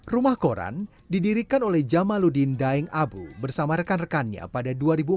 rumah koran didirikan oleh jamaludin daeng abu bersama rekan rekannya pada dua ribu empat